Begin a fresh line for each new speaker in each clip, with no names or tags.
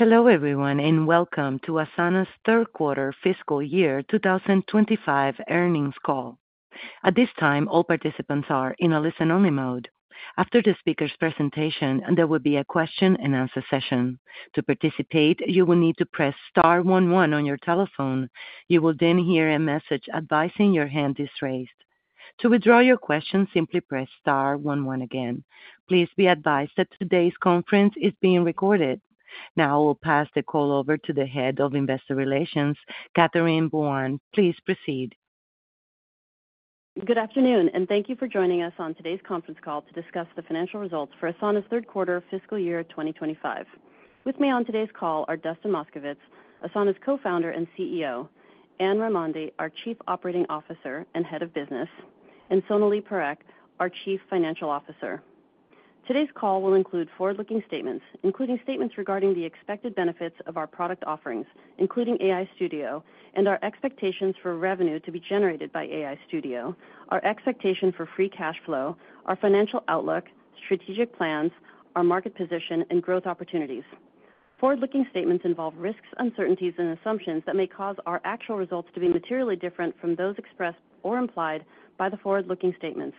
Hello everyone, and welcome to Asana's third quarter fiscal year 2025 earnings call. At this time, all participants are in a listen-only mode. After the speaker's presentation, there will be a question-and-answer session. To participate, you will need to press star 11 on your telephone. You will then hear a message advising your hand is raised. To withdraw your question, simply press star 11 again. Please be advised that today's conference is being recorded. Now I will pass the call over to the Head of Investor Relations, Catherine Buan. Please proceed.
Good afternoon, and thank you for joining us on today's conference call to discuss the financial results for Asana's third quarter fiscal year 2025. With me on today's call are Dustin Moskovitz, Asana's co-founder and CEO, Anne Raimondi, our Chief Operating Officer and Head of Business, and Sonalee Parekh, our Chief Financial Officer. Today's call will include forward-looking statements, including statements regarding the expected benefits of our product offerings, including AI Studio, and our expectations for revenue to be generated by AI Studio, our expectation for free cash flow, our financial outlook, strategic plans, our market position, and growth opportunities. Forward-looking statements involve risks, uncertainties, and assumptions that may cause our actual results to be materially different from those expressed or implied by the forward-looking statements.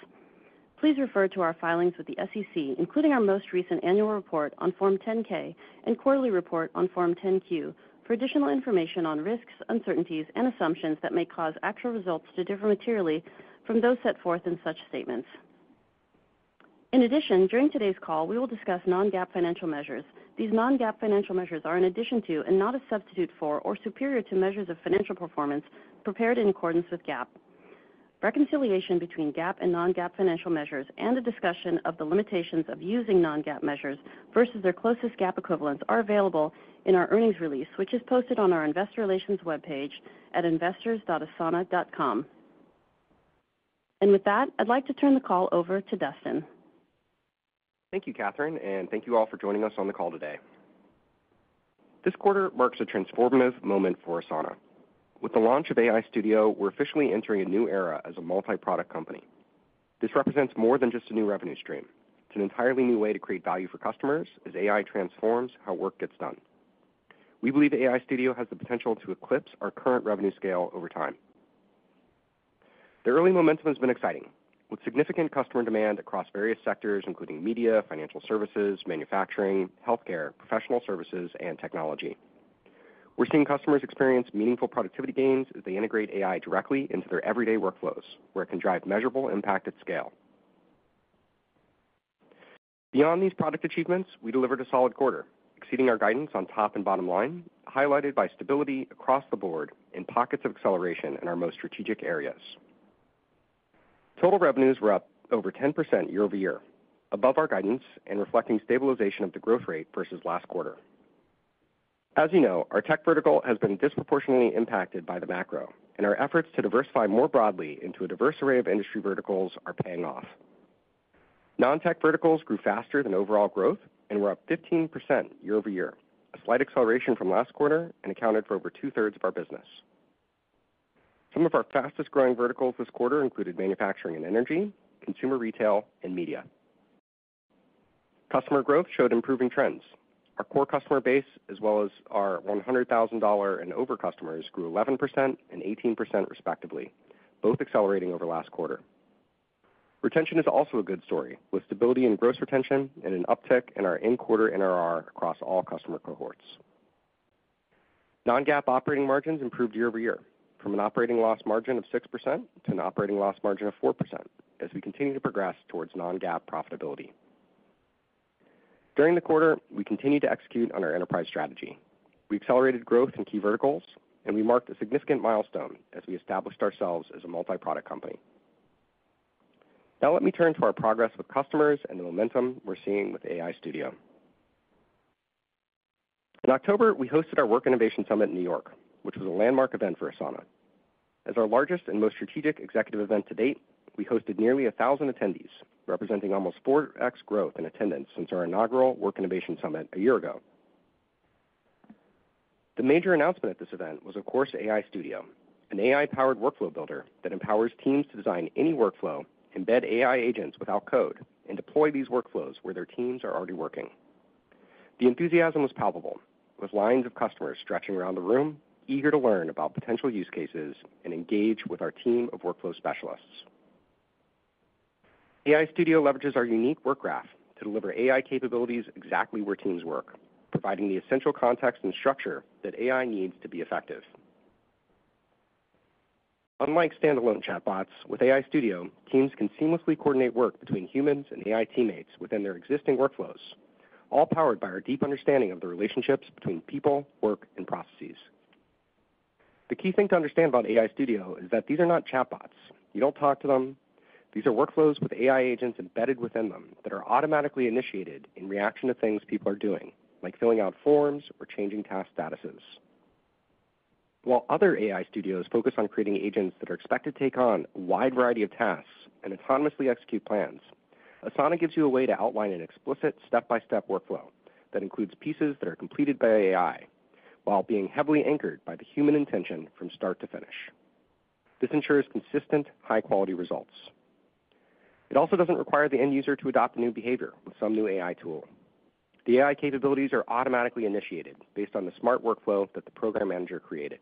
Please refer to our filings with the SEC, including our most recent annual report on Form 10-K and quarterly report on Form 10-Q, for additional information on risks, uncertainties, and assumptions that may cause actual results to differ materially from those set forth in such statements. In addition, during today's call, we will discuss non-GAAP financial measures. These non-GAAP financial measures are an addition to, and not a substitute for, or superior to measures of financial performance prepared in accordance with GAAP. Reconciliation between GAAP and non-GAAP financial measures and a discussion of the limitations of using non-GAAP measures versus their closest GAAP equivalents are available in our earnings release, which is posted on our investor relations webpage at investors.asana.com. And with that, I'd like to turn the call over to Dustin.
Thank you, Catherine, and thank you all for joining us on the call today. This quarter marks a transformative moment for Asana. With the launch of AI Studio, we're officially entering a new era as a multi-product company. This represents more than just a new revenue stream. It's an entirely new way to create value for customers as AI transforms how work gets done. We believe AI Studio has the potential to eclipse our current revenue scale over time. The early momentum has been exciting, with significant customer demand across various sectors, including media, financial services, manufacturing, healthcare, professional services, and technology. We're seeing customers experience meaningful productivity gains as they integrate AI directly into their everyday workflows, where it can drive measurable impact at scale. Beyond these product achievements, we delivered a solid quarter, exceeding our guidance on top and bottom line, highlighted by stability across the board and pockets of acceleration in our most strategic areas. Total revenues were up over 10% year-over-year, above our guidance and reflecting stabilization of the growth rate versus last quarter. As you know, our tech vertical has been disproportionately impacted by the macro, and our efforts to diversify more broadly into a diverse array of industry verticals are paying off. Non-tech verticals grew faster than overall growth and were up 15% year-over-year, a slight acceleration from last quarter and accounted for over two-thirds of our business. Some of our fastest-growing verticals this quarter included manufacturing and energy, consumer retail, and media. Customer growth showed improving trends. Our core customer base, as well as our $100,000 and over customers, grew 11% and 18% respectively, both accelerating over last quarter. Retention is also a good story, with stability in gross retention and an uptick in our in-quarter NRR across all customer cohorts. Non-GAAP operating margins improved year-over-year, from an operating loss margin of 6% to an operating loss margin of 4% as we continue to progress towards non-GAAP profitability. During the quarter, we continued to execute on our enterprise strategy. We accelerated growth in key verticals, and we marked a significant milestone as we established ourselves as a multi-product company. Now let me turn to our progress with customers and the momentum we're seeing with AI Studio. In October, we hosted our Work Innovation Summit in New York, which was a landmark event for Asana. As our largest and most strategic executive event to date, we hosted nearly 1,000 attendees, representing almost 4X growth in attendance since our inaugural Work Innovation Summit a year ago. The major announcement at this event was, of course, AI Studio, an AI-powered workflow builder that empowers teams to design any workflow, embed AI agents without code, and deploy these workflows where their teams are already working. The enthusiasm was palpable, with lines of customers stretching around the room, eager to learn about potential use cases and engage with our team of workflow specialists. AI Studio leverages our unique Work Graph to deliver AI capabilities exactly where teams work, providing the essential context and structure that AI needs to be effective. Unlike standalone chatbots, with AI Studio, teams can seamlessly coordinate work between humans and AI teammates within their existing workflows, all powered by our deep understanding of the relationships between people, work, and processes. The key thing to understand about AI Studio is that these are not chatbots. You don't talk to them. These are workflows with AI agents embedded within them that are automatically initiated in reaction to things people are doing, like filling out forms or changing task statuses. While other AI Studios focus on creating agents that are expected to take on a wide variety of tasks and autonomously execute plans, Asana gives you a way to outline an explicit step-by-step workflow that includes pieces that are completed by AI while being heavily anchored by the human intention from start to finish. This ensures consistent, high-quality results. It also doesn't require the end user to adopt a new behavior with some new AI tool. The AI capabilities are automatically initiated based on the smart workflow that the program manager created.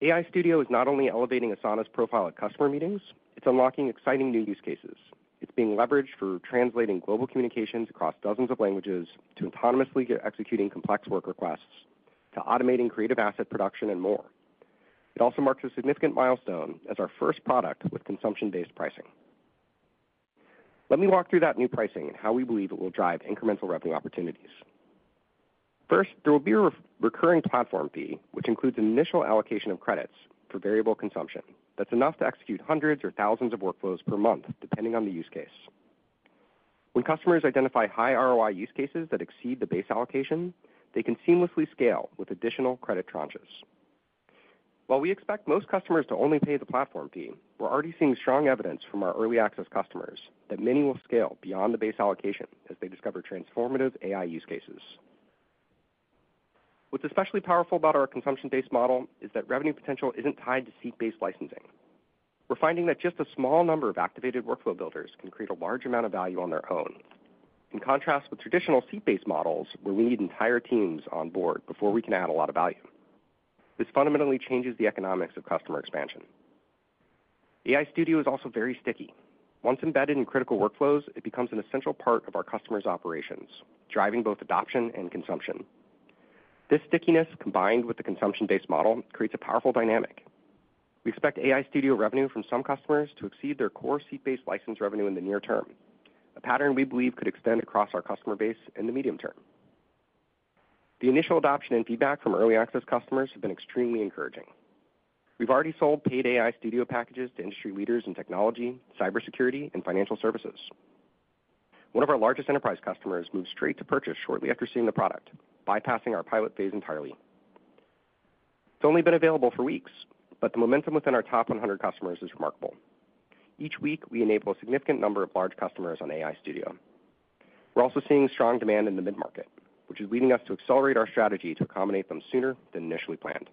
AI Studio is not only elevating Asana's profile at customer meetings, it's unlocking exciting new use cases. It's being leveraged for translating global communications across dozens of languages to autonomously executing complex work requests, to automating creative asset production, and more. It also marks a significant milestone as our first product with consumption-based pricing. Let me walk through that new pricing and how we believe it will drive incremental revenue opportunities. First, there will be a recurring platform fee, which includes initial allocation of credits for variable consumption. That's enough to execute hundreds or thousands of workflows per month, depending on the use case. When customers identify high ROI use cases that exceed the base allocation, they can seamlessly scale with additional credit tranches. While we expect most customers to only pay the platform fee, we're already seeing strong evidence from our early access customers that many will scale beyond the base allocation as they discover transformative AI use cases. What's especially powerful about our consumption-based model is that revenue potential isn't tied to seat-based licensing. We're finding that just a small number of activated workflow builders can create a large amount of value on their own, in contrast with traditional seat-based models, where we need entire teams on board before we can add a lot of value. This fundamentally changes the economics of customer expansion. AI Studio is also very sticky. Once embedded in critical workflows, it becomes an essential part of our customers' operations, driving both adoption and consumption. This stickiness, combined with the consumption-based model, creates a powerful dynamic. We expect AI Studio revenue from some customers to exceed their core seat-based license revenue in the near term, a pattern we believe could extend across our customer base in the medium term. The initial adoption and feedback from early access customers have been extremely encouraging. We've already sold paid AI Studio packages to industry leaders in technology, cybersecurity, and financial services. One of our largest enterprise customers moved straight to purchase shortly after seeing the product, bypassing our pilot phase entirely. It's only been available for weeks, but the momentum within our top 100 customers is remarkable. Each week, we enable a significant number of large customers on AI Studio. We're also seeing strong demand in the mid-market, which is leading us to accelerate our strategy to accommodate them sooner than initially planned.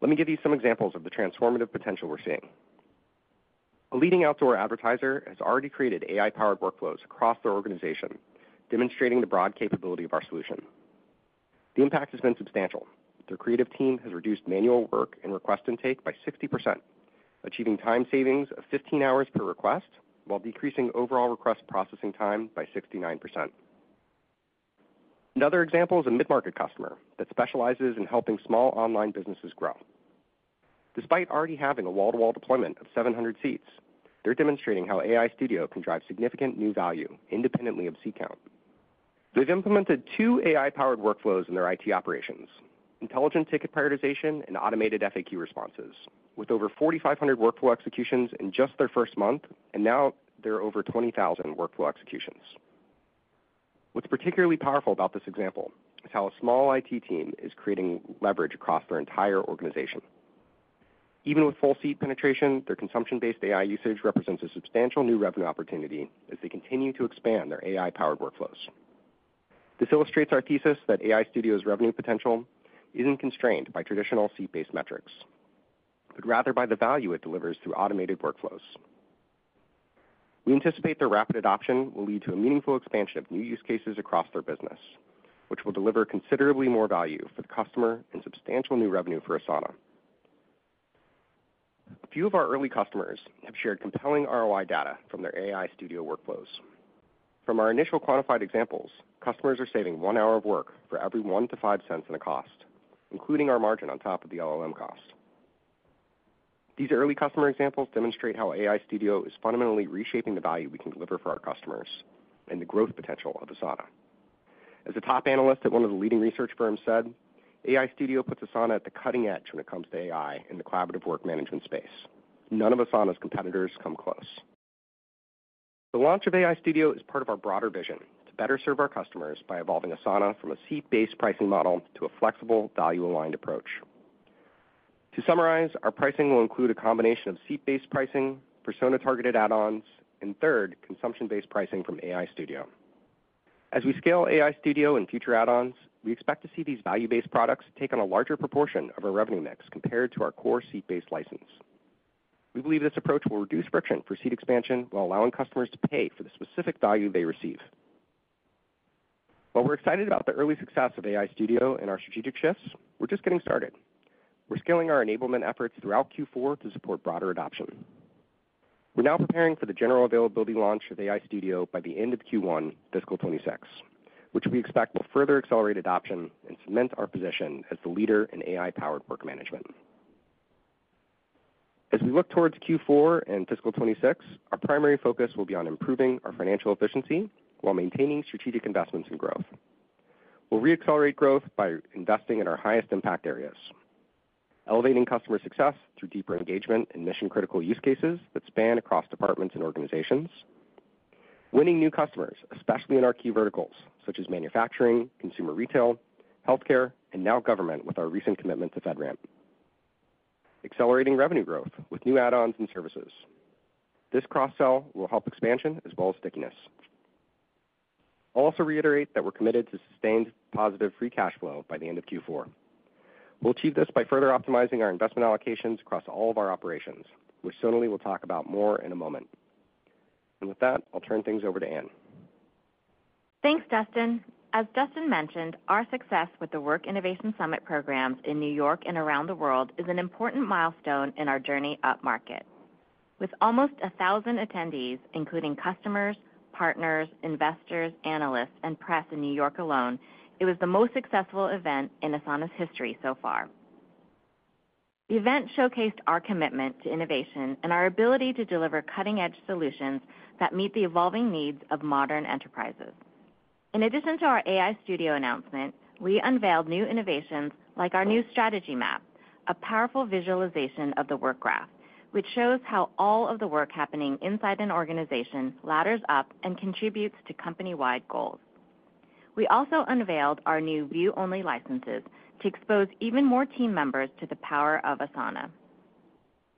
Let me give you some examples of the transformative potential we're seeing. A leading outdoor advertiser has already created AI-powered workflows across their organization, demonstrating the broad capability of our solution. The impact has been substantial. Their creative team has reduced manual work and request intake by 60%, achieving time savings of 15 hours per request while decreasing overall request processing time by 69%. Another example is a mid-market customer that specializes in helping small online businesses grow. Despite already having a wall-to-wall deployment of 700 seats, they're demonstrating how AI Studio can drive significant new value independently of seat count. They've implemented two AI-powered workflows in their IT operations: intelligent ticket prioritization and automated FAQ responses, with over 4,500 workflow executions in just their first month, and now there are over 20,000 workflow executions. What's particularly powerful about this example is how a small IT team is creating leverage across their entire organization. Even with full seat penetration, their consumption-based AI usage represents a substantial new revenue opportunity as they continue to expand their AI-powered workflows. This illustrates our thesis that AI Studio's revenue potential isn't constrained by traditional seat-based metrics, but rather by the value it delivers through automated workflows. We anticipate their rapid adoption will lead to a meaningful expansion of new use cases across their business, which will deliver considerably more value for the customer and substantial new revenue for Asana. A few of our early customers have shared compelling ROI data from their AI Studio workflows. From our initial quantified examples, customers are saving one hour of work for every $0.01-$0.05 in a cost, including our margin on top of the LLM cost. These early customer examples demonstrate how AI Studio is fundamentally reshaping the value we can deliver for our customers and the growth potential of Asana. As a top analyst at one of the leading research firms said, "AI Studio puts Asana at the cutting edge when it comes to AI in the collaborative work management space. None of Asana's competitors come close." The launch of AI Studio is part of our broader vision to better serve our customers by evolving Asana from a seat-based pricing model to a flexible, value-aligned approach. To summarize, our pricing will include a combination of seat-based pricing, persona-targeted add-ons, and third, consumption-based pricing from AI Studio. As we scale AI Studio and future add-ons, we expect to see these value-based products take on a larger proportion of our revenue mix compared to our core seat-based license. We believe this approach will reduce friction for seat expansion while allowing customers to pay for the specific value they receive. While we're excited about the early success of AI Studio and our strategic shifts, we're just getting started. We're scaling our enablement efforts throughout Q4 to support broader adoption. We're now preparing for the general availability launch of AI Studio by the end of Q1, fiscal 2026, which we expect will further accelerate adoption and cement our position as the leader in AI-powered work management. As we look towards Q4 and fiscal 2026, our primary focus will be on improving our financial efficiency while maintaining strategic investments and growth. We'll re-accelerate growth by investing in our highest impact areas, elevating customer success through deeper engagement and mission-critical use cases that span across departments and organizations, winning new customers, especially in our key verticals such as manufacturing, consumer retail, healthcare, and now government with our recent commitment to FedRAMP, accelerating revenue growth with new add-ons and services. This cross-sell will help expansion as well as stickiness. I'll also reiterate that we're committed to sustained positive free cash flow by the end of Q4. We'll achieve this by further optimizing our investment allocations across all of our operations, which Sonalee will talk about more in a moment. And with that, I'll turn things over to Anne.
Thanks, Dustin. As Dustin mentioned, our success with the Work Innovation Summit programs in New York and around the world is an important milestone in our journey up market. With almost 1,000 attendees, including customers, partners, investors, analysts, and press in New York alone, it was the most successful event in Asana's history so far. The event showcased our commitment to innovation and our ability to deliver cutting-edge solutions that meet the evolving needs of modern enterprises. In addition to our AI Studio announcement, we unveiled new innovations like our new Strategy Map, a powerful visualization of the Work Graph, which shows how all of the work happening inside an organization ladders up and contributes to company-wide goals. We also unveiled our new view-only licenses to expose even more team members to the power of Asana.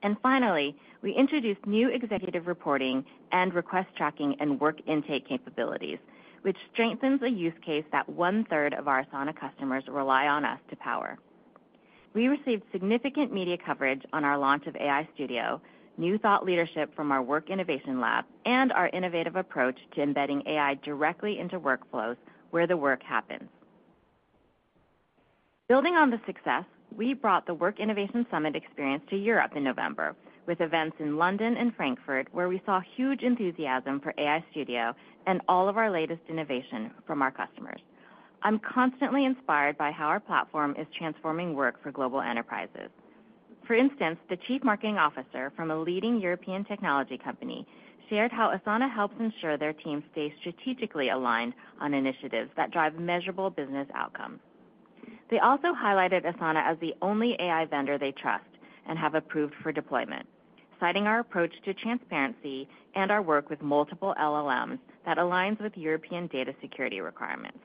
And finally, we introduced new executive reporting and request tracking and work intake capabilities, which strengthens a use case that one-third of our Asana customers rely on us to power. We received significant media coverage on our launch of AI Studio, new thought leadership from our Work Innovation Lab, and our innovative approach to embedding AI directly into workflows where the work happens. Building on the success, we brought the Work Innovation Summit experience to Europe in November, with events in London and Frankfurt, where we saw huge enthusiasm for AI Studio and all of our latest innovation from our customers. I'm constantly inspired by how our platform is transforming work for global enterprises. For instance, the chief marketing officer from a leading European technology company shared how Asana helps ensure their team stays strategically aligned on initiatives that drive measurable business outcomes. They also highlighted Asana as the only AI vendor they trust and have approved for deployment, citing our approach to transparency and our work with multiple LLMs that aligns with European data security requirements.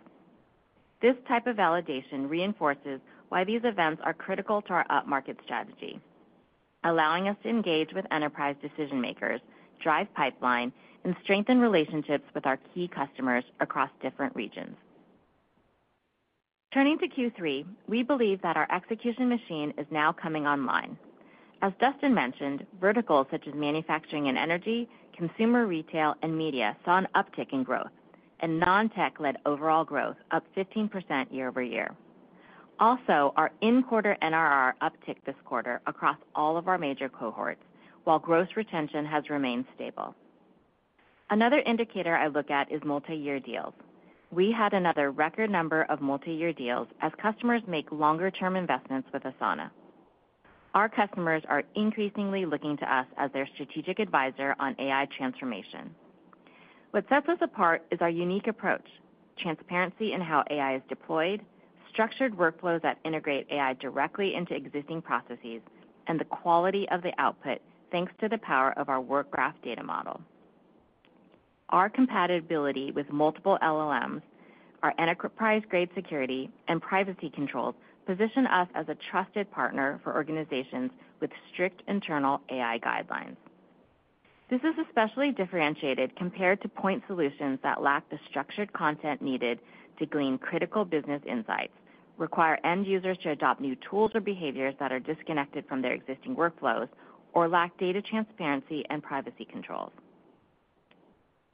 This type of validation reinforces why these events are critical to our up-market strategy, allowing us to engage with enterprise decision-makers, drive pipeline, and strengthen relationships with our key customers across different regions. Turning to Q3, we believe that our execution machine is now coming online. As Dustin mentioned, verticals such as manufacturing and energy, consumer retail, and media saw an uptick in growth, and non-tech-led overall growth up 15% year-over-year. Also, our in-quarter NRR upticked this quarter across all of our major cohorts, while gross retention has remained stable. Another indicator I look at is multi-year deals. We had another record number of multi-year deals as customers make longer-term investments with Asana. Our customers are increasingly looking to us as their strategic advisor on AI transformation. What sets us apart is our unique approach, transparency in how AI is deployed, structured workflows that integrate AI directly into existing processes, and the quality of the output thanks to the power of our Work Graph data model. Our compatibility with multiple LLMs, our enterprise-grade security, and privacy controls position us as a trusted partner for organizations with strict internal AI guidelines. This is especially differentiated compared to point solutions that lack the structured content needed to glean critical business insights, require end users to adopt new tools or behaviors that are disconnected from their existing workflows, or lack data transparency and privacy controls.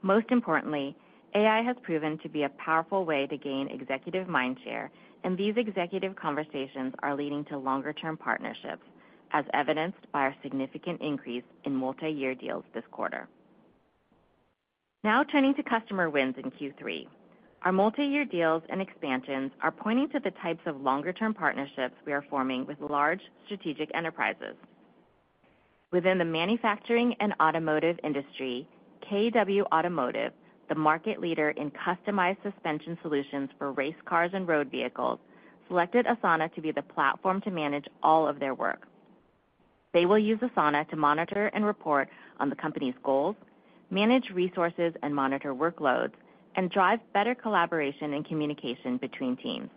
Most importantly, AI has proven to be a powerful way to gain executive mindshare, and these executive conversations are leading to longer-term partnerships, as evidenced by our significant increase in multi-year deals this quarter. Now turning to customer wins in Q3, our multi-year deals and expansions are pointing to the types of longer-term partnerships we are forming with large strategic enterprises. Within the manufacturing and automotive industry, KW Automotive, the market leader in customized suspension solutions for race cars and road vehicles, selected Asana to be the platform to manage all of their work. They will use Asana to monitor and report on the company's goals, manage resources and monitor workloads, and drive better collaboration and communication between teams.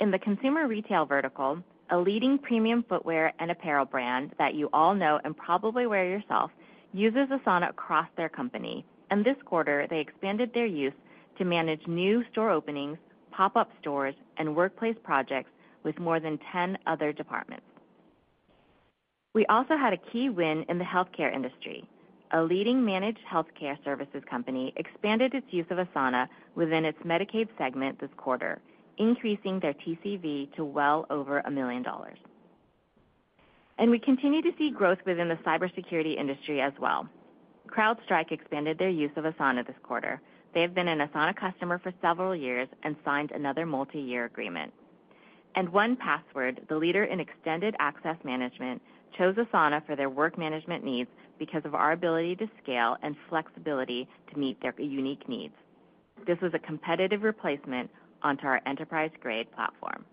In the consumer retail vertical, a leading premium footwear and apparel brand that you all know and probably wear yourself uses Asana across their company, and this quarter, they expanded their use to manage new store openings, pop-up stores, and workplace projects with more than 10 other departments. We also had a key win in the healthcare industry. A leading managed healthcare services company expanded its use of Asana within its Medicaid segment this quarter, increasing their TCV to well over $1 million. And we continue to see growth within the cybersecurity industry as well. CrowdStrike expanded their use of Asana this quarter. They have been an Asana customer for several years and signed another multi-year agreement. And 1Password, the leader in extended access management, chose Asana for their work management needs because of our ability to scale and flexibility to meet their unique needs. This was a competitive replacement onto our enterprise-grade platform.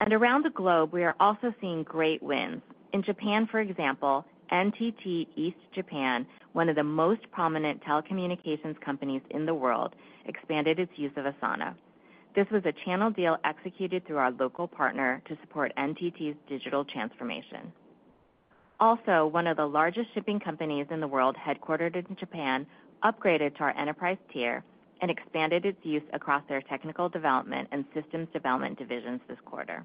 And around the globe, we are also seeing great wins. In Japan, for example, NTT East, one of the most prominent telecommunications companies in the world, expanded its use of Asana. This was a channel deal executed through our local partner to support NTT's digital transformation. Also, one of the largest shipping companies in the world headquartered in Japan upgraded to our enterprise tier and expanded its use across their technical development and systems development divisions this quarter.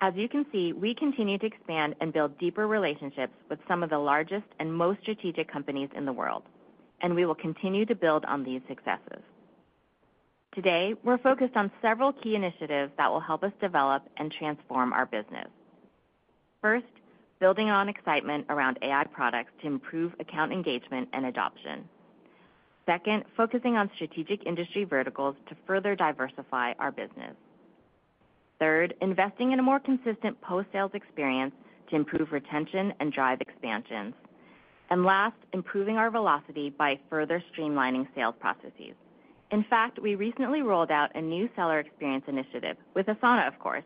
As you can see, we continue to expand and build deeper relationships with some of the largest and most strategic companies in the world, and we will continue to build on these successes. Today, we're focused on several key initiatives that will help us develop and transform our business. First, building on excitement around AI products to improve account engagement and adoption. Second, focusing on strategic industry verticals to further diversify our business. Third, investing in a more consistent post-sales experience to improve retention and drive expansions. And last, improving our velocity by further streamlining sales processes. In fact, we recently rolled out a new seller experience initiative with Asana, of course,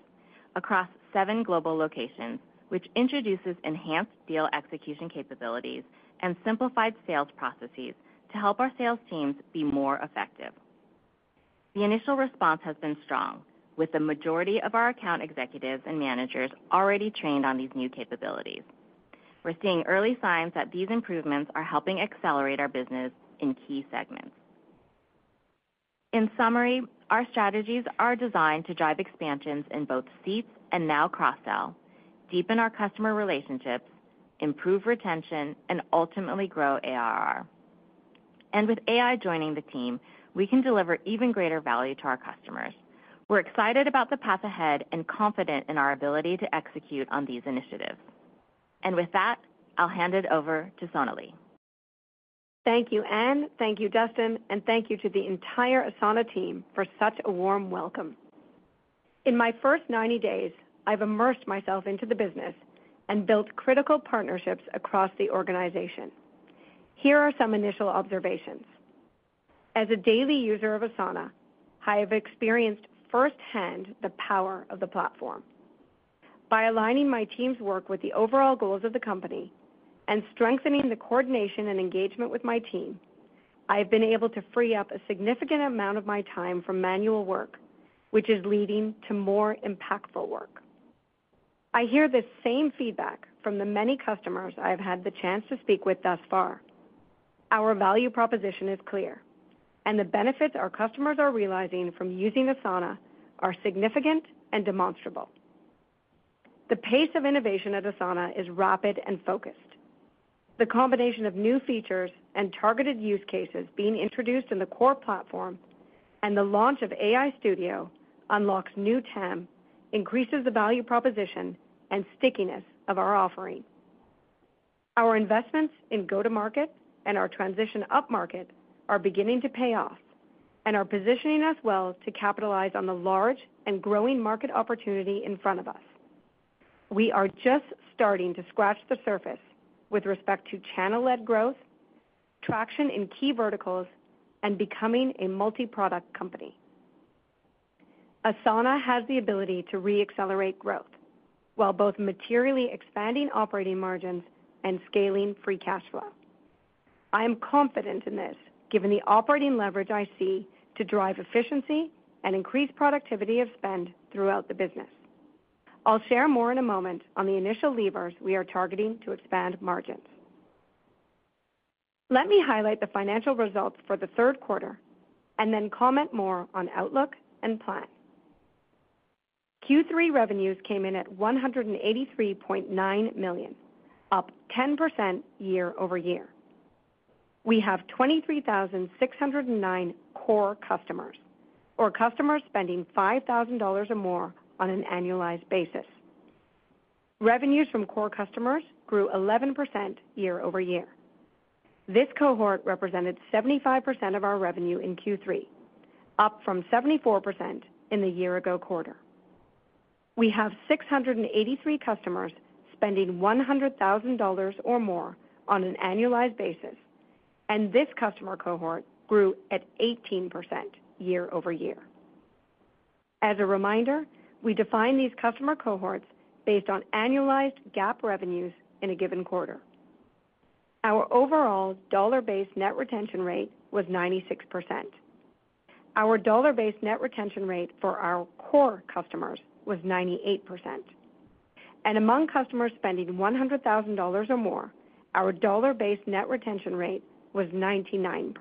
across seven global locations, which introduces enhanced deal execution capabilities and simplified sales processes to help our sales teams be more effective. The initial response has been strong, with the majority of our account executives and managers already trained on these new capabilities. We're seeing early signs that these improvements are helping accelerate our business in key segments. In summary, our strategies are designed to drive expansions in both seats and now cross-sell, deepen our customer relationships, improve retention, and ultimately grow ARR, and with AI joining the team, we can deliver even greater value to our customers. We're excited about the path ahead and confident in our ability to execute on these initiatives, and with that, I'll hand it over to Sonalee.
Thank you, Anne. Thank you, Dustin, and thank you to the entire Asana team for such a warm welcome. In my first 90 days, I've immersed myself into the business and built critical partnerships across the organization. Here are some initial observations. As a daily user of Asana, I have experienced firsthand the power of the platform. By aligning my team's work with the overall goals of the company and strengthening the coordination and engagement with my team, I have been able to free up a significant amount of my time from manual work, which is leading to more impactful work. I hear the same feedback from the many customers I have had the chance to speak with thus far. Our value proposition is clear, and the benefits our customers are realizing from using Asana are significant and demonstrable. The pace of innovation at Asana is rapid and focused. The combination of new features and targeted use cases being introduced in the core platform and the launch of AI Studio unlocks new TAM, increases the value proposition, and stickiness of our offering. Our investments in go-to-market and our transition up-market are beginning to pay off and are positioning us well to capitalize on the large and growing market opportunity in front of us. We are just starting to scratch the surface with respect to channel-led growth, traction in key verticals, and becoming a multi-product company. Asana has the ability to re-accelerate growth while both materially expanding operating margins and scaling free cash flow. I am confident in this, given the operating leverage I see to drive efficiency and increase productivity of spend throughout the business. I'll share more in a moment on the initial levers we are targeting to expand margins. Let me highlight the financial results for the third quarter and then comment more on outlook and plan. Q3 revenues came in at $183.9 million, up 10% year-over-year. We have 23,609 core customers, or customers spending $5,000 or more on an annualized basis. Revenues from core customers grew 11% year-over-year. This cohort represented 75% of our revenue in Q3, up from 74% in the year-ago quarter. We have 683 customers spending $100,000 or more on an annualized basis, and this customer cohort grew at 18% year-over-year. As a reminder, we define these customer cohorts based on annualized GAAP revenues in a given quarter. Our overall dollar-based net retention rate was 96%. Our dollar-based net retention rate for our core customers was 98%, and among customers spending $100,000 or more, our dollar-based net retention rate was 99%.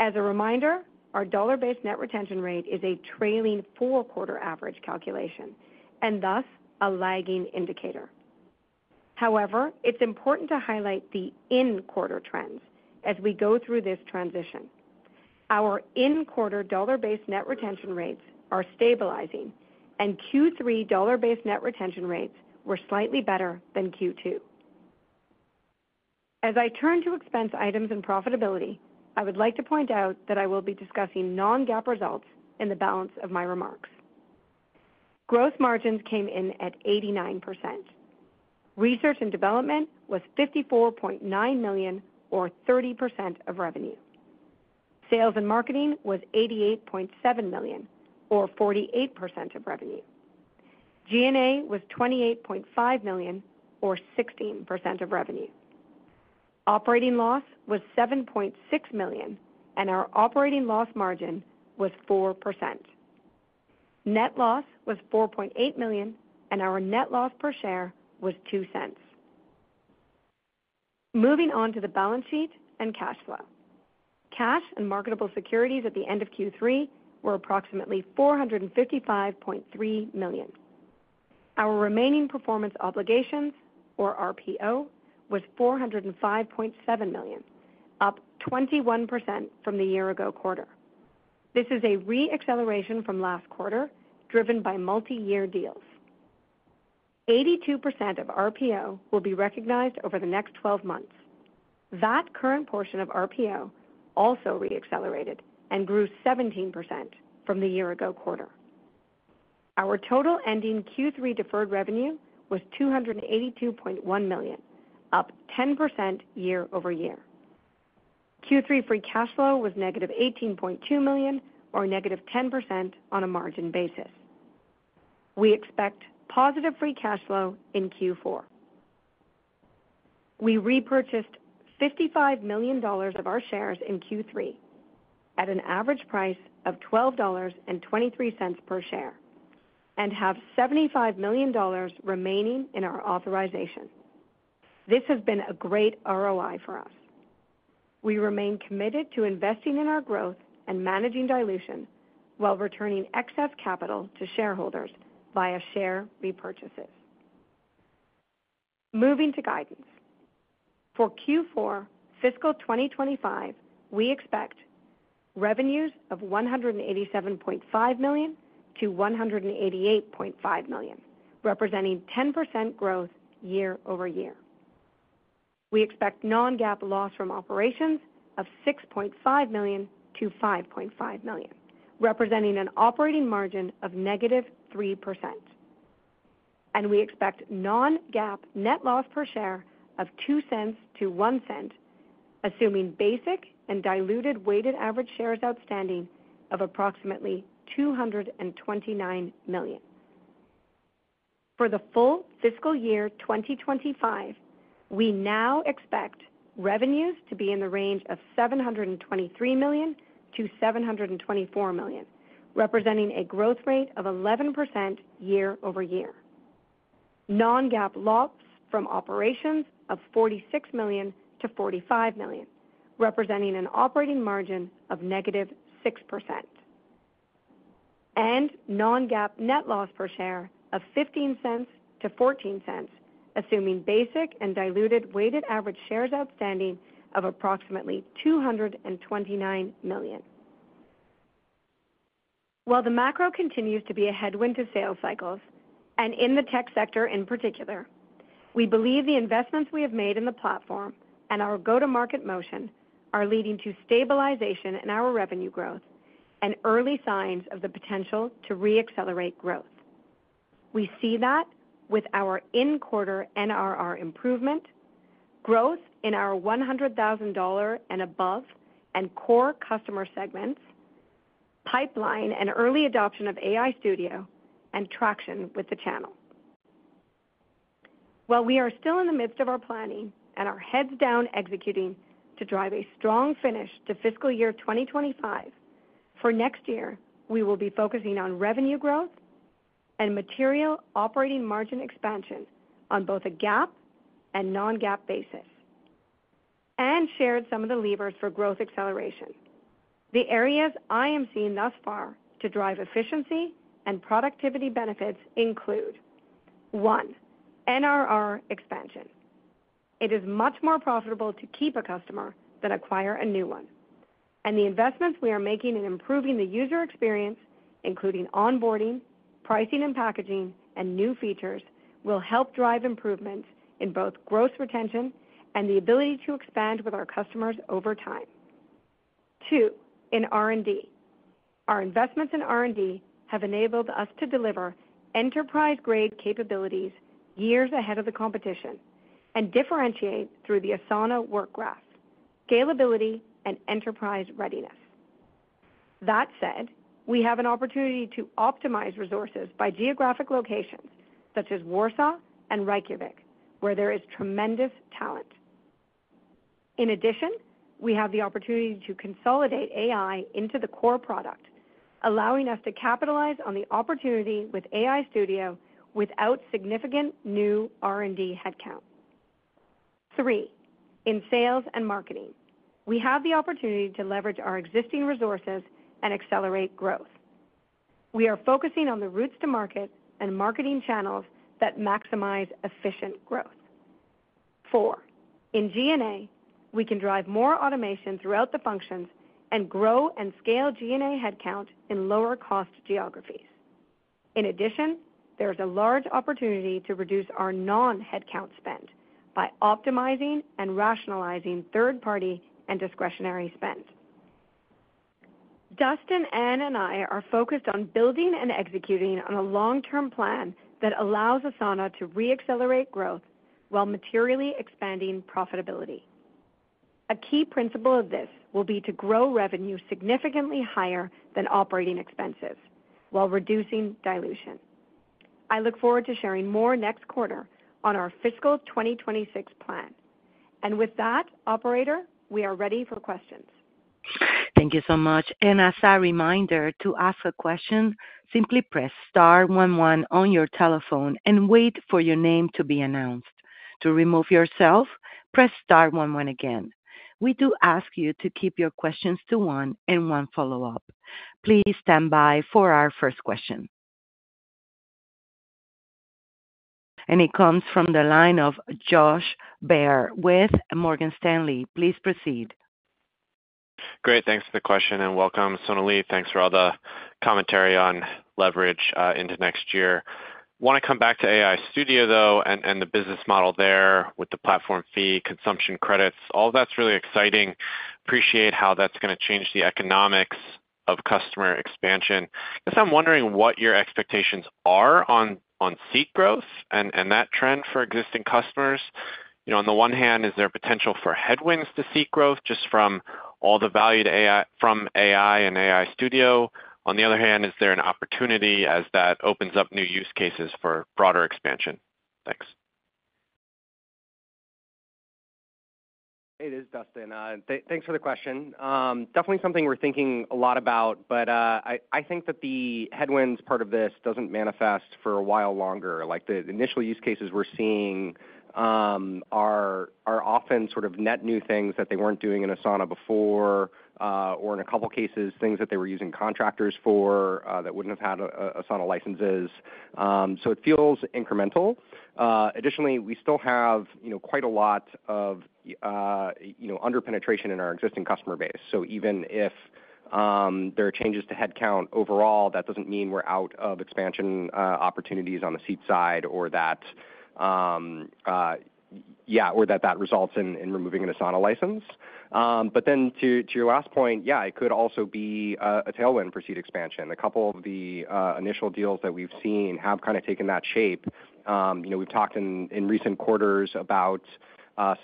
As a reminder, our dollar-based net retention rate is a trailing four-quarter average calculation and thus a lagging indicator. However, it's important to highlight the in-quarter trends as we go through this transition. Our in-quarter dollar-based net retention rates are stabilizing, and Q3 dollar-based net retention rates were slightly better than Q2. As I turn to expense items and profitability, I would like to point out that I will be discussing non-GAAP results in the balance of my remarks. Gross margins came in at 89%. Research and development was $54.9 million, or 30% of revenue. Sales and marketing was $88.7 million, or 48% of revenue. G&A was $28.5 million, or 16% of revenue. Operating loss was $7.6 million, and our operating loss margin was 4%. Net loss was $4.8 million, and our net loss per share was $0.02. Moving on to the balance sheet and cash flow. Cash and marketable securities at the end of Q3 were approximately $455.3 million. Our remaining performance obligations, or RPO, was $405.7 million, up 21% from the year-ago quarter. This is a re-acceleration from last quarter driven by multi-year deals. 82% of RPO will be recognized over the next 12 months. That current portion of RPO also re-accelerated and grew 17% from the year-ago quarter. Our total ending Q3 deferred revenue was $282.1 million, up 10% year-over-year. Q3 free cash flow was negative $18.2 million, or negative 10% on a margin basis. We expect positive free cash flow in Q4. We repurchased $55 million of our shares in Q3 at an average price of $12.23 per share and have $75 million remaining in our authorization. This has been a great ROI for us. We remain committed to investing in our growth and managing dilution while returning excess capital to shareholders via share repurchases. Moving to guidance. For Q4 fiscal 2025, we expect revenues of $187.5 million-$188.5 million, representing 10% growth year-over-year. We expect non-GAAP loss from operations of $6.5 million-$5.5 million, representing an operating margin of -3%, and we expect non-GAAP net loss per share of $0.02-$0.01, assuming basic and diluted weighted average shares outstanding of approximately 229 million. For the full fiscal year 2025, we now expect revenues to be in the range of $723 million-$724 million, representing a growth rate of 11% year-over-year. Non-GAAP loss from operations of $46 million-$45 million, representing an operating margin of -6%. Non-GAAP net loss per share of $0.15 to $0.14, assuming basic and diluted weighted average shares outstanding of approximately 229 million. While the macro continues to be a headwind to sales cycles, and in the tech sector in particular, we believe the investments we have made in the platform and our go-to-market motion are leading to stabilization in our revenue growth and early signs of the potential to re-accelerate growth. We see that with our in-quarter NRR improvement, growth in our $100,000 and above and core customer segments, pipeline and early adoption of AI Studio, and traction with the channel. While we are still in the midst of our planning and our heads down executing to drive a strong finish to fiscal year 2025, for next year, we will be focusing on revenue growth and material operating margin expansion on both a GAAP and non-GAAP basis. Anne shared some of the levers for growth acceleration. The areas I am seeing thus far to drive efficiency and productivity benefits include: one, NRR expansion. It is much more profitable to keep a customer than acquire a new one, and the investments we are making in improving the user experience, including onboarding, pricing and packaging, and new features, will help drive improvements in both gross retention and the ability to expand with our customers over time. Two, in R&D. Our investments in R&D have enabled us to deliver enterprise-grade capabilities years ahead of the competition and differentiate through the Asana Work Graph, scalability, and enterprise readiness. That said, we have an opportunity to optimize resources by geographic locations such as Warsaw and Reykjavik, where there is tremendous talent. In addition, we have the opportunity to consolidate AI into the core product, allowing us to capitalize on the opportunity with AI Studio without significant new R&D headcount. Three, in sales and marketing. We have the opportunity to leverage our existing resources and accelerate growth. We are focusing on the routes to market and marketing channels that maximize efficient growth. Four, in G&A, we can drive more automation throughout the functions and grow and scale G&A headcount in lower-cost geographies. In addition, there is a large opportunity to reduce our non-headcount spend by optimizing and rationalizing third-party and discretionary spend. Dustin, Anne, and I are focused on building and executing on a long-term plan that allows Asana to re-accelerate growth while materially expanding profitability. A key principle of this will be to grow revenue significantly higher than operating expenses while reducing dilution. I look forward to sharing more next quarter on our fiscal 2026 plan. And with that, Operator, we are ready for questions.
Thank you so much. And as a reminder, to ask a question, simply press Star 11 on your telephone and wait for your name to be announced. To remove yourself, press Star 11 again. We do ask you to keep your questions to one and one follow-up. Please stand by for our first question. And it comes from the line of Josh Baer with Morgan Stanley. Please proceed.
Great. Thanks for the question and welcome. Sonalee, thanks for all the commentary on leverage into next year. Want to come back to AI Studio, though, and the business model there with the platform fee, consumption credits, all of that's really exciting. Appreciate how that's going to change the economics of customer expansion. I guess I'm wondering what your expectations are on seat growth and that trend for existing customers. On the one hand, is there potential for headwinds to seat growth just from all the value from AI and AI Studio? On the other hand, is there an opportunity as that opens up new use cases for broader expansion? Thanks.
Hey, this is Dustin. Thanks for the question. Definitely something we're thinking a lot about, but I think that the headwinds part of this doesn't manifest for a while longer. The initial use cases we're seeing are often sort of net new things that they weren't doing in Asana before, or in a couple of cases, things that they were using contractors for that wouldn't have had Asana licenses. So it feels incremental. Additionally, we still have quite a lot of under-penetration in our existing customer base. So even if there are changes to headcount overall, that doesn't mean we're out of expansion opportunities on the seat side or that, yeah, or that that results in removing an Asana license. But then to your last point, yeah, it could also be a tailwind for seat expansion. A couple of the initial deals that we've seen have kind of taken that shape. We've talked in recent quarters about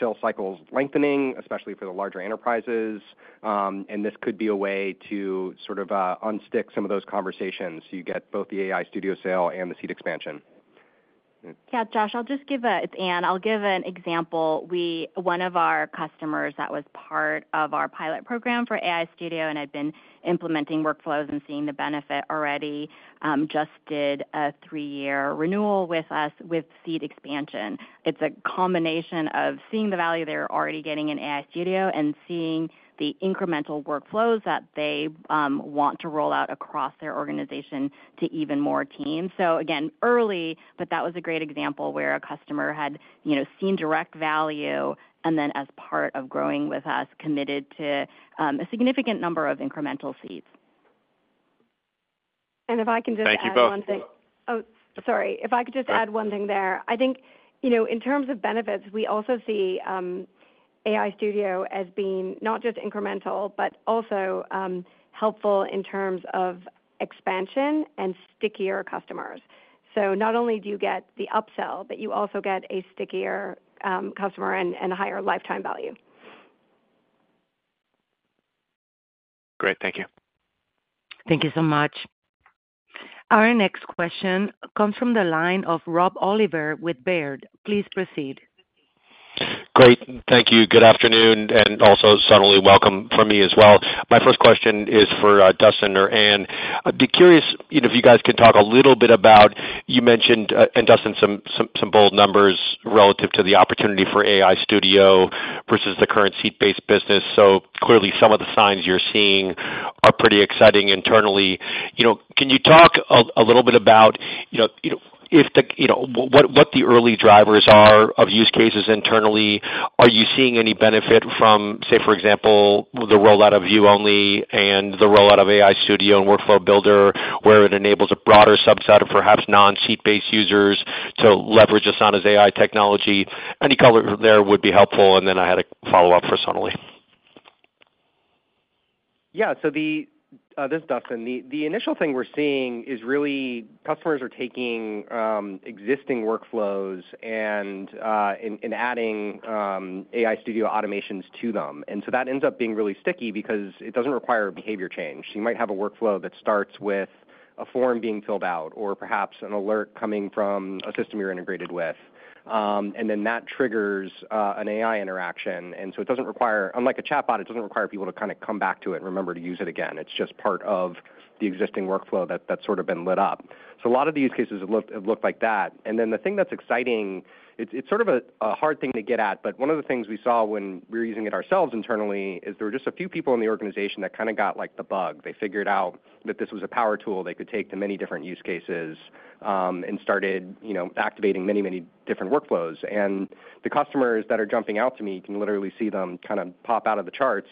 sales cycles lengthening, especially for the larger enterprises. And this could be a way to sort of unstick some of those conversations so you get both the AI Studio sale and the seat expansion.
Yeah, Josh, I'll just give a, it's Anne. I'll give an example. One of our customers that was part of our pilot program for AI Studio and had been implementing workflows and seeing the benefit already just did a three-year renewal with us with seat expansion. It's a combination of seeing the value they're already getting in AI Studio and seeing the incremental workflows that they want to roll out across their organization to even more teams. So again, early, but that was a great example where a customer had seen direct value and then, as part of growing with us, committed to a significant number of incremental seats.
And if I can just add one thing.
Thank you both.
Oh, sorry. If I could just add one thing there. I think in terms of benefits, we also see AI Studio as being not just incremental, but also helpful in terms of expansion and stickier customers. So not only do you get the upsell, but you also get a stickier customer and a higher lifetime value.
Great. Thank you.
Thank you so much. Our next question comes from the line of Rob Oliver with Baird. Please proceed.
Great. Thank you. Good afternoon, and also Sonalee, welcome from me as well. My first question is for Dustin or Anne. I'd be curious if you guys can talk a little bit about, you mentioned, and Dustin, some bold numbers relative to the opportunity for AI Studio versus the current seat-based business. So clearly, some of the signs you're seeing are pretty exciting internally. Can you talk a little bit about what the early drivers are of use cases internally? Are you seeing any benefit from, say, for example, the rollout of View-only and the rollout of AI Studio and Workflow Builder, where it enables a broader subset of perhaps non-seat-based users to leverage Asana's AI technology? Any color there would be helpful. And then I had a follow-up for Sonalee.
Yeah. So this is Dustin. The initial thing we're seeing is really customers are taking existing workflows and adding AI Studio automations to them. And so that ends up being really sticky because it doesn't require a behavior change. You might have a workflow that starts with a form being filled out or perhaps an alert coming from a system you're integrated with. And then that triggers an AI interaction. And so it doesn't require, unlike a chatbot, it doesn't require people to kind of come back to it and remember to use it again. It's just part of the existing workflow that's sort of been lit up. So a lot of the use cases have looked like that. And then the thing that's exciting. It's sort of a hard thing to get at, but one of the things we saw when we were using it ourselves internally is there were just a few people in the organization that kind of got the bug. They figured out that this was a power tool they could take to many different use cases and started activating many, many different workflows. And the customers that are jumping out to me can literally see them kind of pop out of the charts,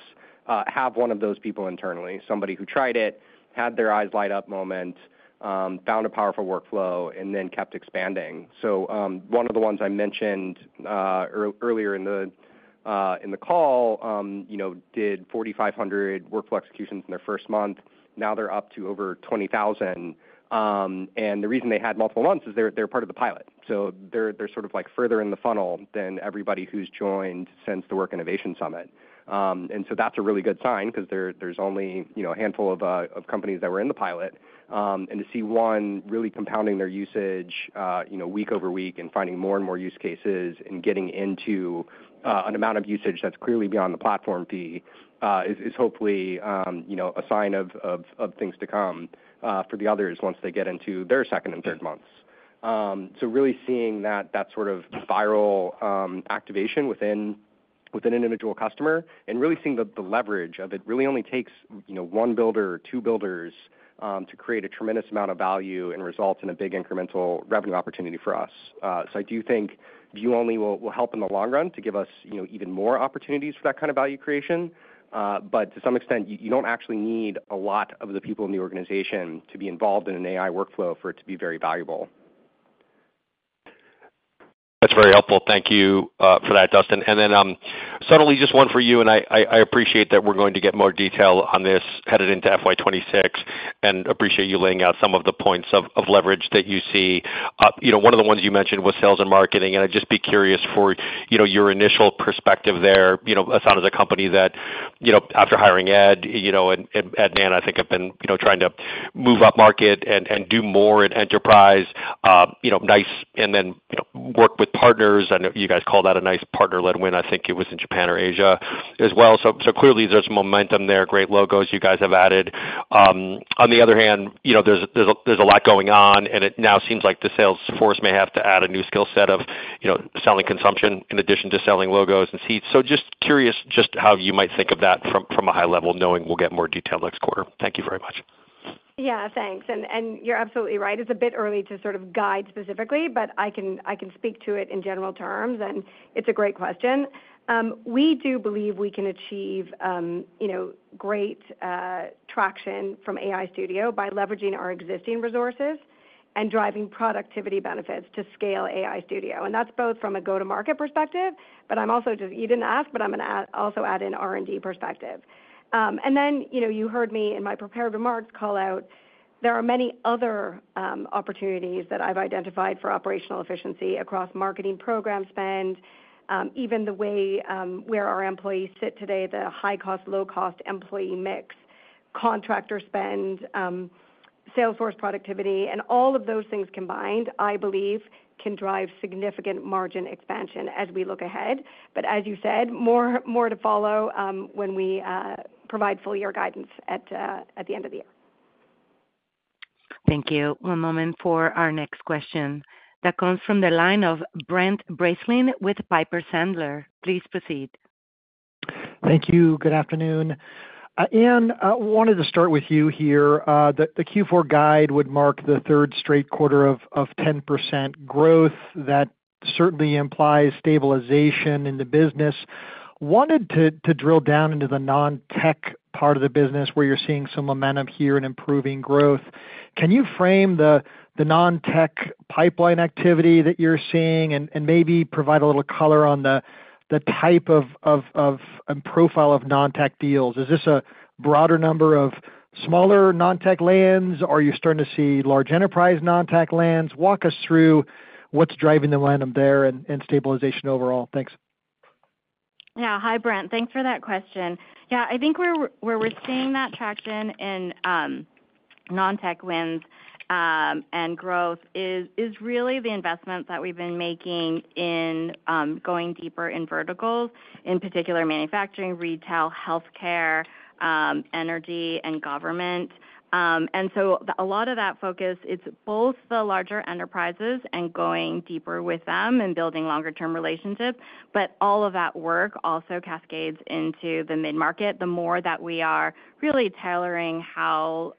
have one of those people internally, somebody who tried it, had their eyes light up moment, found a powerful workflow, and then kept expanding. So one of the ones I mentioned earlier in the call did 4,500 workflow executions in their first month. Now they're up to over 20,000. The reason they had multiple months is they're part of the pilot. They're sort of further in the funnel than everybody who's joined since the Work Innovation Summit. That's a really good sign because there's only a handful of companies that were in the pilot. To see one really compounding their usage week over week and finding more and more use cases and getting into an amount of usage that's clearly beyond the platform fee is hopefully a sign of things to come for the others once they get into their second and third months. Really seeing that sort of viral activation within an individual customer and really seeing the leverage of it really only takes one builder or two builders to create a tremendous amount of value and results in a big incremental revenue opportunity for us. So I do think View Only will help in the long run to give us even more opportunities for that kind of value creation. But to some extent, you don't actually need a lot of the people in the organization to be involved in an AI workflow for it to be very valuable.
That's very helpful. Thank you for that, Dustin. And then Sonalee, just one for you, and I appreciate that we're going to get more detail on this headed into FY26 and appreciate you laying out some of the points of leverage that you see. One of the ones you mentioned was sales and marketing, and I'd just be curious for your initial perspective there. Asana is a company that, after hiring Ed and Anne, I think have been trying to move up market and do more in enterprise, nice, and then work with partners. I know you guys call that a nice partner-led win. I think it was in Japan or Asia as well. So clearly, there's momentum there, great logos you guys have added. On the other hand, there's a lot going on, and it now seems like the sales force may have to add a new skill set of selling consumption in addition to selling logos and seats. So just curious just how you might think of that from a high level, knowing we'll get more detail next quarter. Thank you very much.
Yeah, thanks. And you're absolutely right. It's a bit early to sort of guide specifically, but I can speak to it in general terms, and it's a great question. We do believe we can achieve great traction from AI Studio by leveraging our existing resources and driving productivity benefits to scale AI Studio. And that's both from a go-to-market perspective, but I'm also just, you didn't ask, but I'm going to also add in R&D perspective. And then you heard me in my prepared remarks call out there are many other opportunities that I've identified for operational efficiency across marketing program spend, even the way where our employees sit today, the high-cost, low-cost employee mix, contractor spend, salesforce productivity, and all of those things combined, I believe, can drive significant margin expansion as we look ahead. But as you said, more to follow when we provide full-year guidance at the end of the year.
Thank you. One moment for our next question that comes from the line of Brent Bracelin with Piper Sandler. Please proceed.
Thank you. Good afternoon. Anne, wanted to start with you here. The Q4 guide would mark the third straight quarter of 10% growth. That certainly implies stabilization in the business. Wanted to drill down into the non-tech part of the business where you're seeing some momentum here and improving growth. Can you frame the non-tech pipeline activity that you're seeing and maybe provide a little color on the type of profile of non-tech deals? Is this a broader number of smaller non-tech lands? Are you starting to see large enterprise non-tech lands? Walk us through what's driving the momentum there and stabilization overall. Thanks.
Yeah. Hi, Brent. Thanks for that question. Yeah, I think where we're seeing that traction in non-tech wins and growth is really the investment that we've been making in going deeper in verticals, in particular manufacturing, retail, healthcare, energy, and government. And so a lot of that focus, it's both the larger enterprises and going deeper with them and building longer-term relationships, but all of that work also cascades into the mid-market. The more that we are really tailoring how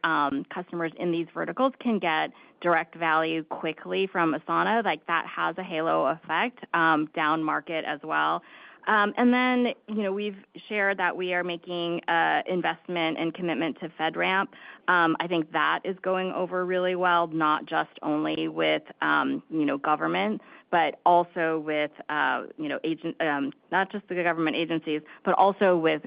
customers in these verticals can get direct value quickly from Asana, that has a halo effect down market as well. And then we've shared that we are making an investment and commitment to FedRAMP. I think that is going over really well, not just only with government, but also with not just the government agencies, but also with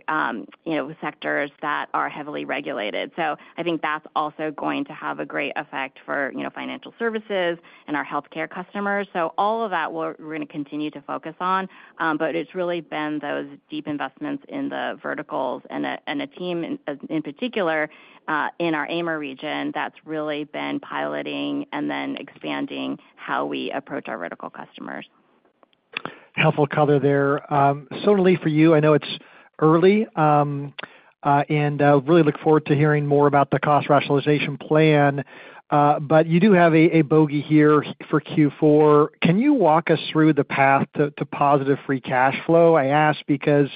sectors that are heavily regulated. So I think that's also going to have a great effect for financial services and our healthcare customers. So all of that we're going to continue to focus on, but it's really been those deep investments in the verticals and a team in particular in our AMR region that's really been piloting and then expanding how we approach our vertical customers.
Helpful color there. Sonalee, for you, I know it's early, and I really look forward to hearing more about the cost rationalization plan. But you do have a bogey here for Q4. Can you walk us through the path to positive free cash flow? I ask because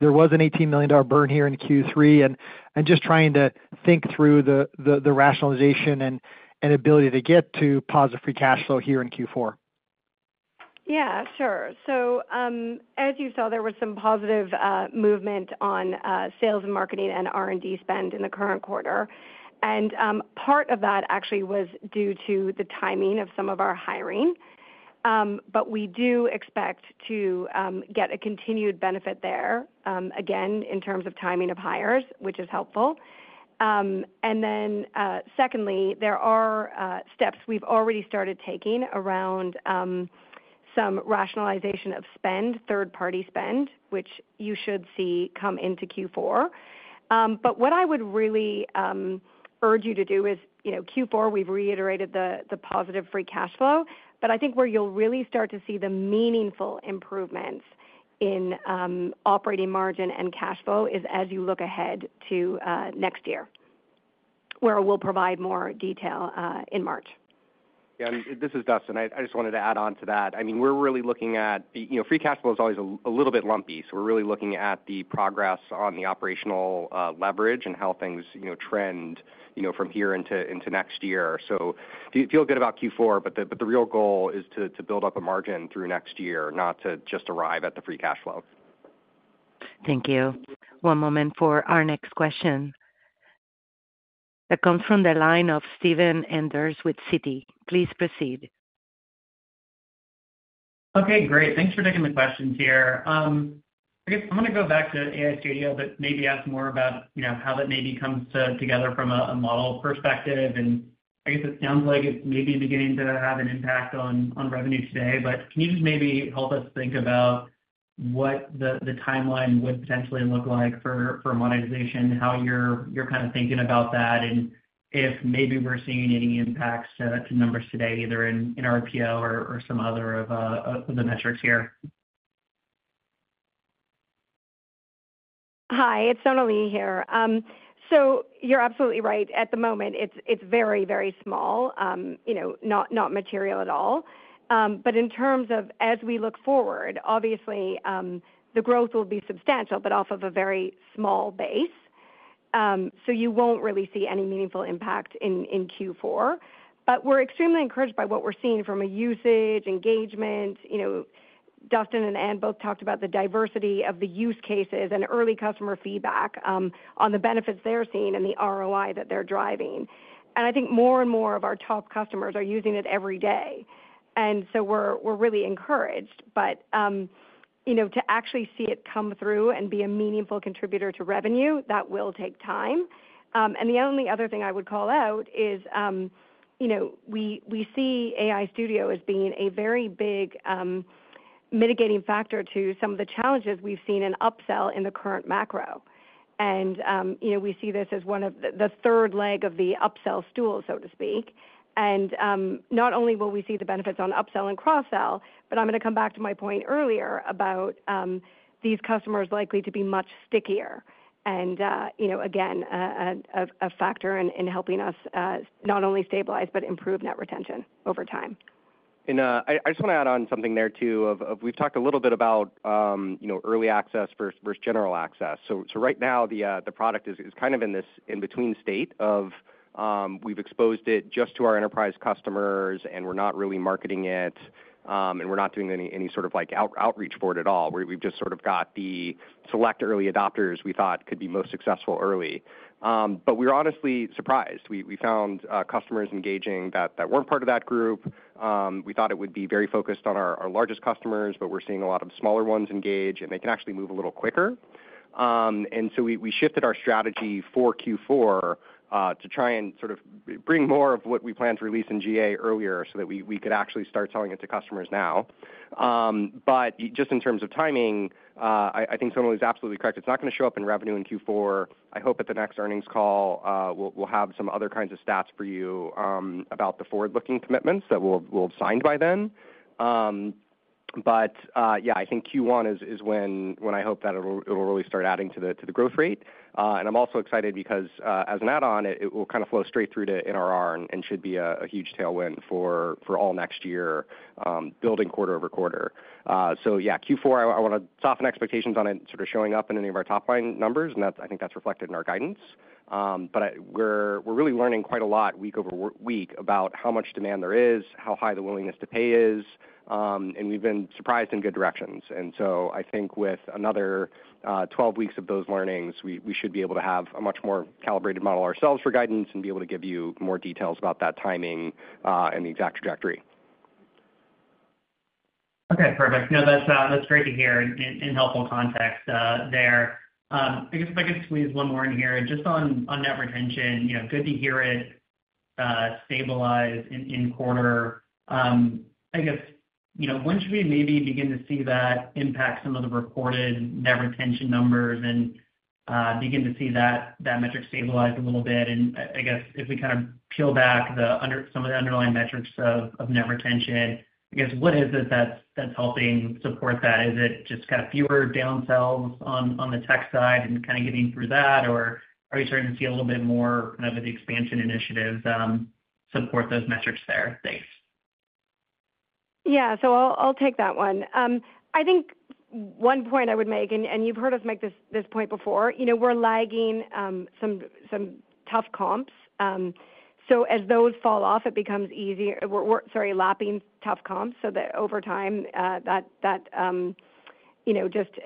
there was an $18 million burn here in Q3, and just trying to think through the rationalization and ability to get to positive free cash flow here in Q4.
Yeah, sure. So as you saw, there was some positive movement on sales and marketing and R&D spend in the current quarter. Part of that actually was due to the timing of some of our hiring. We do expect to get a continued benefit there, again, in terms of timing of hires, which is helpful. Then secondly, there are steps we've already started taking around some rationalization of spend, third-party spend, which you should see come into Q4. But what I would really urge you to do is Q4. We've reiterated the positive free cash flow, but I think where you'll really start to see the meaningful improvements in operating margin and cash flow is as you look ahead to next year, where we'll provide more detail in March.
Yeah. This is Dustin. I just wanted to add on to that. I mean, we're really looking at free cash flow is always a little bit lumpy. So we're really looking at the progress on the operational leverage and how things trend from here into next year. So feel good about Q4, but the real goal is to build up a margin through next year, not to just arrive at the free cash flow.
Thank you. One moment for our next question. That comes from the line of Steven Enders with Citi. Please proceed.
Okay. Great. Thanks for taking the questions here. I guess I'm going to go back to AI Studio, but maybe ask more about how that maybe comes together from a model perspective. And I guess it sounds like it's maybe beginning to have an impact on revenue today, but can you just maybe help us think about what the timeline would potentially look like for monetization, how you're kind of thinking about that, and if maybe we're seeing any impacts to numbers today, either in RPO or some other of the metrics here?
Hi. It's Sonalee here. So you're absolutely right. At the moment, it's very, very small, not material at all. But in terms of as we look forward, obviously, the growth will be substantial, but off of a very small base. So you won't really see any meaningful impact in Q4. But we're extremely encouraged by what we're seeing from a usage engagement. Dustin and Anne both talked about the diversity of the use cases and early customer feedback on the benefits they're seeing and the ROI that they're driving. I think more and more of our top customers are using it every day. So we're really encouraged. To actually see it come through and be a meaningful contributor to revenue, that will take time. The only other thing I would call out is we see AI Studio as being a very big mitigating factor to some of the challenges we've seen in upsell in the current macro. We see this as one of the third leg of the upsell stool, so to speak. Not only will we see the benefits on upsell and cross-sell, but I'm going to come back to my point earlier about these customers likely to be much stickier and, again, a factor in helping us not only stabilize, but improve net retention over time.
I just want to add on something there too. We've talked a little bit about early access versus general access, so right now, the product is kind of in this in-between state of we've exposed it just to our enterprise customers, and we're not really marketing it, and we're not doing any sort of outreach for it at all. We've just sort of got the select early adopters we thought could be most successful early, but we were honestly surprised. We found customers engaging that weren't part of that group. We thought it would be very focused on our largest customers, but we're seeing a lot of smaller ones engage, and they can actually move a little quicker, and so we shifted our strategy for Q4 to try and sort of bring more of what we planned to release in GA earlier so that we could actually start selling it to customers now. But just in terms of timing, I think Sonalee is absolutely correct. It's not going to show up in revenue in Q4. I hope at the next earnings call, we'll have some other kinds of stats for you about the forward-looking commitments that we'll have signed by then. But yeah, I think Q1 is when I hope that it'll really start adding to the growth rate. And I'm also excited because as an add-on, it will kind of flow straight through to NRR and should be a huge tailwind for all next year, building quarter over quarter. So yeah, Q4, I want to soften expectations on it sort of showing up in any of our top-line numbers, and I think that's reflected in our guidance. But we're really learning quite a lot week over week about how much demand there is, how high the willingness to pay is, and we've been surprised in good directions. And so I think with another 12 weeks of those learnings, we should be able to have a much more calibrated model ourselves for guidance and be able to give you more details about that timing and the exact trajectory.
Okay. Perfect. No, that's great to hear and helpful context there. I guess if I could squeeze one more in here, just on net retention, good to hear it stabilize in quarter. I guess when should we maybe begin to see that impact some of the reported net retention numbers and begin to see that metric stabilize a little bit? And I guess if we kind of peel back some of the underlying metrics of net retention, I guess what is it that's helping support that? Is it just kind of fewer downsells on the tech side and kind of getting through that, or are we starting to see a little bit more kind of expansion initiatives support those metrics there? Thanks.
Yeah. So I'll take that one. I think one point I would make, and you've heard us make this point before, we're lagging some tough comps. So as those fall off, it becomes easier. We're, sorry, lapping tough comps so that over time, that just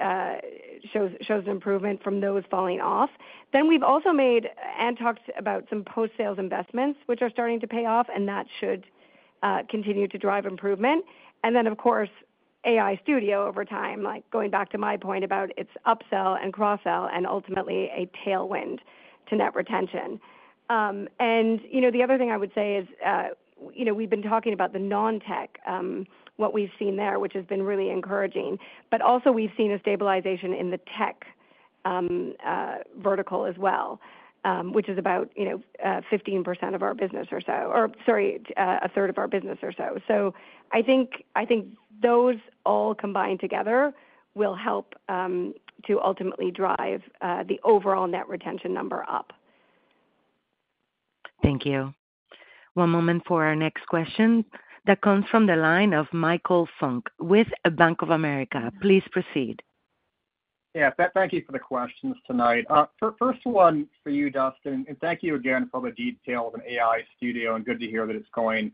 shows improvement from those falling off. Then we've also made and talked about some post-sales investments, which are starting to pay off, and that should continue to drive improvement. And then, of course, AI Studio over time, going back to my point about its upsell and cross-sell and ultimately a tailwind to net retention. And the other thing I would say is we've been talking about the non-tech, what we've seen there, which has been really encouraging. But also we've seen a stabilization in the tech vertical as well, which is about 15% of our business or so, or sorry, a third of our business or so. So I think those all combined together will help to ultimately drive the overall net retention number up.
Thank you. One moment for our next question that comes from the line of Michael Funk with Bank of America. Please proceed.
Yeah. Thank you for the questions tonight. First one for you, Dustin, and thank you again for the detail of an AI Studio, and good to hear that it's going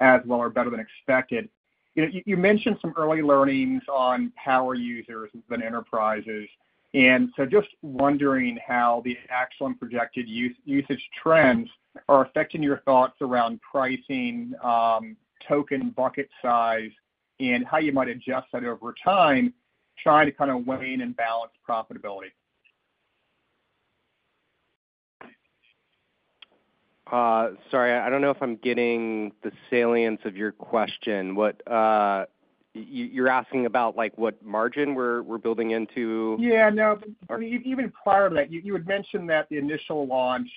as well or better than expected. You mentioned some early learnings on power users and enterprises, and so just wondering how the actual and projected usage trends are affecting your thoughts around pricing, token bucket size, and how you might adjust that over time, trying to kind of weigh in and balance profitability.
Sorry, I don't know if I'm getting the salience of your question. You're asking about what margin we're building into?
Yeah. No. Even prior to that, you had mentioned that the initial launch,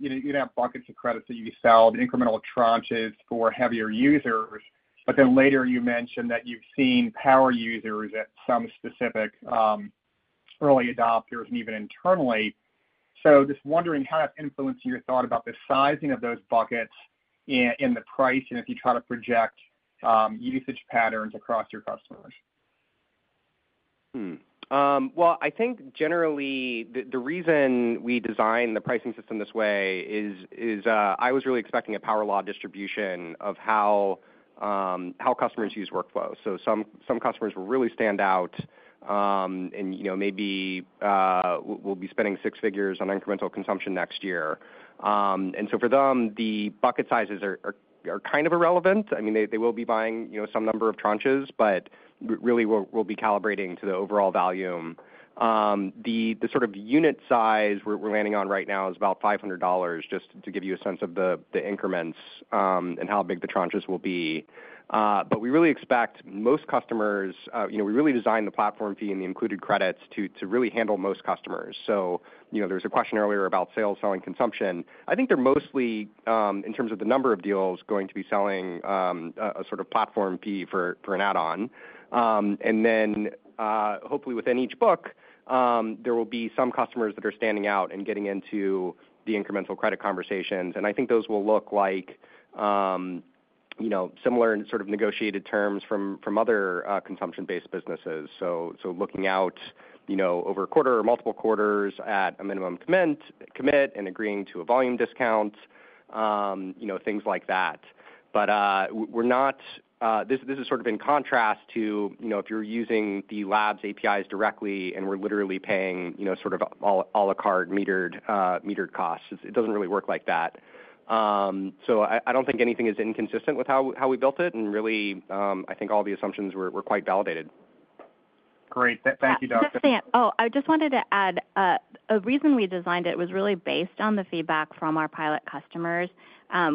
you'd have buckets of credits that you sell, the incremental tranches for heavier users. But then later you mentioned that you've seen power users at some specific early adopters and even internally. So, just wondering how that's influencing your thought about the sizing of those buckets and the pricing if you try to project usage patterns across your customers.
Well, I think generally the reason we design the pricing system this way is, I was really expecting a power law distribution of how customers use workflows. So, some customers will really stand out and maybe will be spending six figures on incremental consumption next year. And so for them, the bucket sizes are kind of irrelevant. I mean, they will be buying some number of tranches, but really we'll be calibrating to the overall volume. The sort of unit size we're landing on right now is about $500, just to give you a sense of the increments and how big the tranches will be. But we really expect most customers. We really designed the platform fee and the included credits to really handle most customers. So there was a question earlier about sales, selling, consumption. I think they're mostly, in terms of the number of deals, going to be selling a sort of platform fee for an add-on. And then hopefully within each book, there will be some customers that are standing out and getting into the incremental credit conversations. And I think those will look like similar sort of negotiated terms from other consumption-based businesses. So looking out over a quarter or multiple quarters at a minimum commit and agreeing to a volume discount, things like that. But this is sort of in contrast to if you're using the LLM APIs directly and we're literally paying sort of à la carte metered costs. It doesn't really work like that. So I don't think anything is inconsistent with how we built it. And really, I think all the assumptions were quite validated.
Great. Thank you, Dustin.
Oh, I just wanted to add a reason we designed it was really based on the feedback from our pilot customers.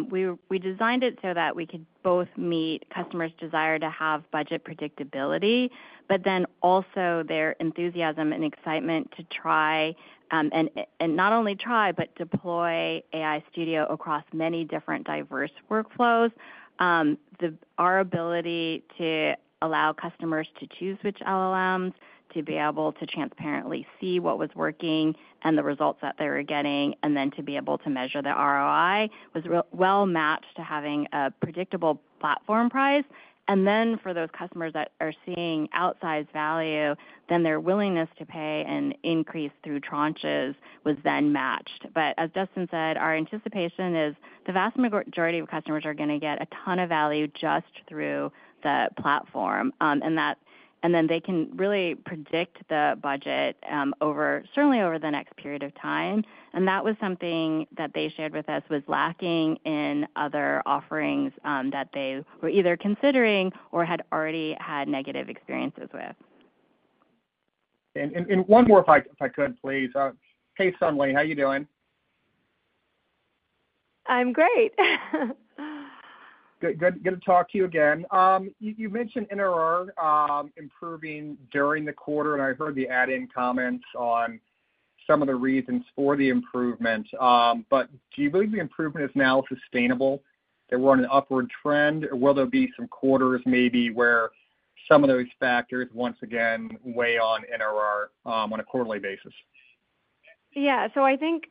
We designed it so that we could both meet customers' desire to have budget predictability, but then also their enthusiasm and excitement to try and not only try, but deploy AI Studio across many different diverse workflows. Our ability to allow customers to choose which LLMs, to be able to transparently see what was working and the results that they were getting, and then to be able to measure the ROI was well matched to having a predictable platform price. And then for those customers that are seeing outsized value, then their willingness to pay and increase through tranches was then matched. But as Dustin said, our anticipation is the vast majority of customers are going to get a ton of value just through the platform. And then they can really predict the budget certainly over the next period of time. And that was something that they shared with us was lacking in other offerings that they were either considering or had already had negative experiences with.
And one more, if I could, please. Hey, Sonalee. How are you doing?
I'm great.
Good to talk to you again. You mentioned NRR improving during the quarter, and I heard the adding comments on some of the reasons for the improvement. But do you believe the improvement is now sustainable? That we're on an upward trend? Or will there be some quarters maybe where some of those factors once again weigh on NRR on a quarterly basis?
Yeah. So I think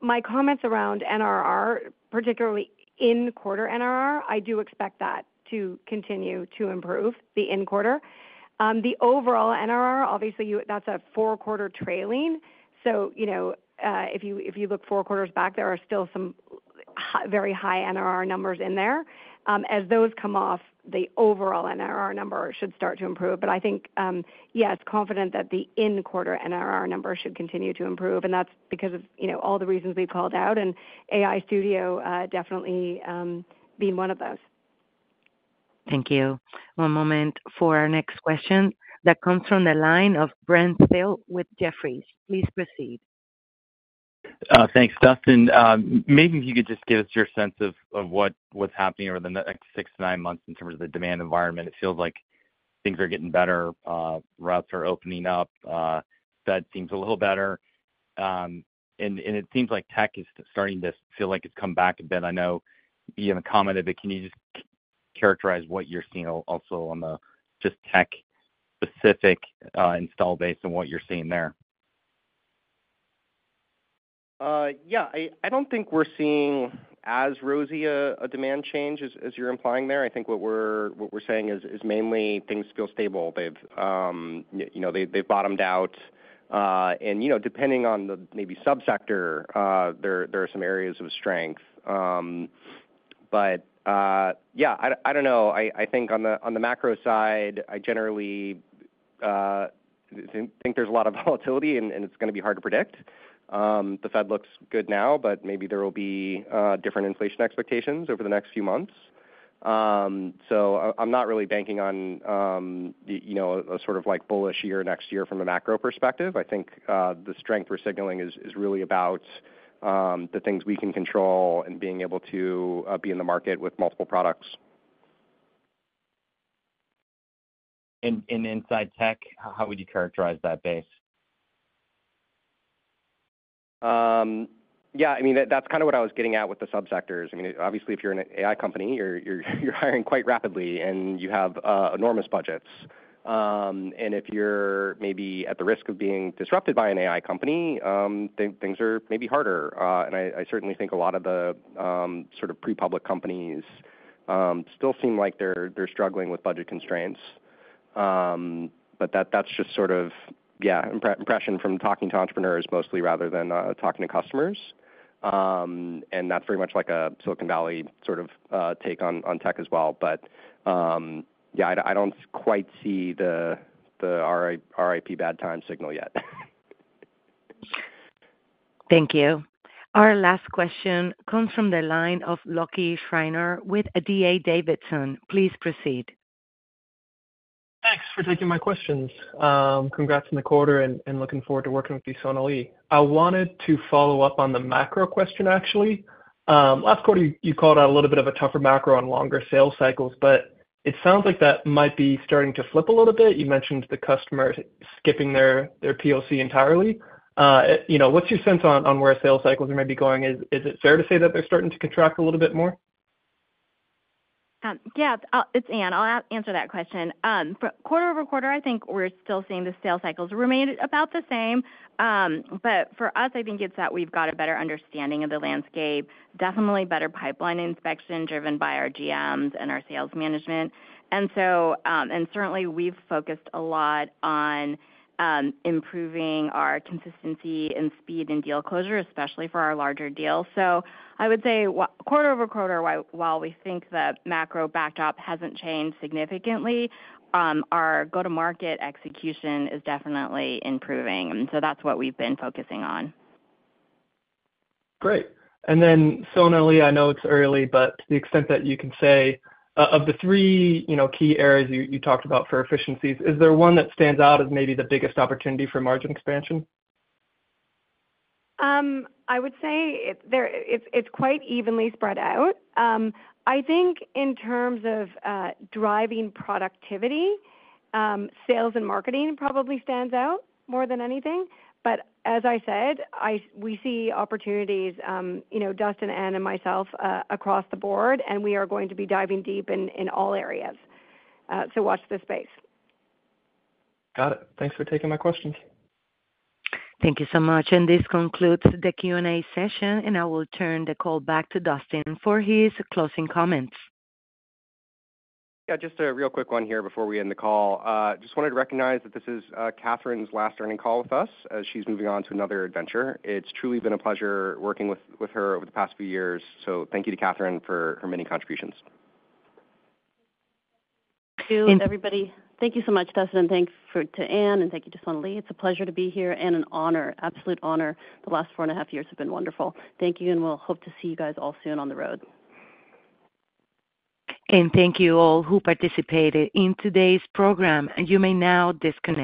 my comments around NRR, particularly in-quarter NRR, I do expect that to continue to improve in quarter. The overall NRR, obviously, that's a four-quarter trailing. So if you look four quarters back, there are still some very high NRR numbers in there. As those come off, the overall NRR number should start to improve. But I think, yes, confident that the in-quarter NRR number should continue to improve. And that's because of all the reasons we've called out, and AI Studio definitely being one of those.
Thank you. One moment for our next question that comes from the line of Brent Thill with Jefferies. Please proceed.
Thanks, Dustin. Maybe if you could just give us your sense of what's happening over the next six to nine months in terms of the demand environment. It feels like things are getting better. Routes are opening up. Fed seems a little better, and it seems like tech is starting to feel like it's come back a bit. I know you have a comment, but can you just characterize what you're seeing also on the just tech-specific installed base and what you're seeing there?
Yeah. I don't think we're seeing as rosy a demand change as you're implying there. I think what we're saying is mainly things feel stable. They've bottomed out, and depending on the maybe subsector, there are some areas of strength, but yeah, I don't know. I think on the macro side, I generally think there's a lot of volatility, and it's going to be hard to predict. The Fed looks good now, but maybe there will be different inflation expectations over the next few months, so I'm not really banking on a sort of bullish year next year from a macro perspective. I think the strength we're signaling is really about the things we can control and being able to be in the market with multiple products,
and inside tech, how would you characterize that base?
Yeah. I mean, that's kind of what I was getting at with the subsectors. I mean, obviously, if you're an AI company, you're hiring quite rapidly, and you have enormous budgets, and if you're maybe at the risk of being disrupted by an AI company, things are maybe harder, and I certainly think a lot of the sort of pre-public companies still seem like they're struggling with budget constraints. But that's just sort of, yeah, impression from talking to entrepreneurs mostly rather than talking to customers, and that's very much like a Silicon Valley sort of take on tech as well. But yeah, I don't quite see the RIP bad time signal yet.
Thank you. Our last question comes from the line of Lucky Schreiner with D.A. Davidson. Please proceed.
Thanks for taking my questions. Congrats on the quarter and looking forward to working with you, Sonalee. I wanted to follow up on the macro question, actually. Last quarter, you called out a little bit of a tougher macro on longer sales cycles, but it sounds like that might be starting to flip a little bit. You mentioned the customers skipping their POC entirely. What's your sense on where sales cycles are maybe going? Is it fair to say that they're starting to contract a little bit more?
Yeah. It's Anne. I'll answer that question. Quarter over quarter, I think we're still seeing the sales cycles remain about the same. But for us, I think it's that we've got a better understanding of the landscape, definitely better pipeline inspection driven by our GMs and our sales management. And certainly, we've focused a lot on improving our consistency and speed in deal closure, especially for our larger deals. So I would say quarter over quarter, while we think the macro backdrop hasn't changed significantly, our go-to-market execution is definitely improving. And so that's what we've been focusing on.
Great. And then, Sonalee, I know it's early, but to the extent that you can say of the three key areas you talked about for efficiencies, is there one that stands out as maybe the biggest opportunity for margin expansion?
I would say it's quite evenly spread out. I think in terms of driving productivity, sales and marketing probably stands out more than anything.
But as I said, we see opportunities, Dustin, Anne, and myself across the board, and we are going to be diving deep in all areas. So watch this space.
Got it. Thanks for taking my questions.
Thank you so much. And this concludes the Q&A session, and I will turn the call back to Dustin for his closing comments.
Yeah. Just a real quick one here before we end the call. Just wanted to recognize that this is Catherine's last earnings call with us as she's moving on to another adventure. It's truly been a pleasure working with her over the past few years. So thank you to Catherine for her many contributions.
Thank you.
Thank you, everybody. Thank you so much, Dustin. And thanks to Anne, and thank you to Sonalee. It's a pleasure to be here and an honor, absolute honor. The last four and a half years have been wonderful. Thank you, and we'll hope to see you guys all soon on the road.
And thank you all who participated in today's program. And you may now disconnect.